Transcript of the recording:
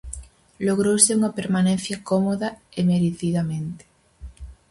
Logrouse unha permanencia cómoda e merecidamente.